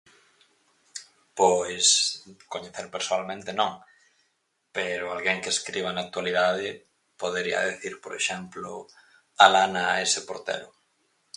Pois coñecer persoalmente non, pero alguén que escriba na actualidade podería decir, por exemplo, Alana S Portero.